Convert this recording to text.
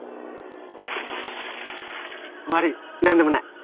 悪い何でもない。